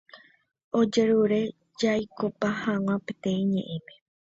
Ojerure jaikopa hag̃ua peteĩ ñe'ẽme